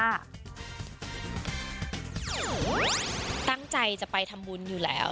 ตั้งใจจะไปทำบุญอยู่แล้ว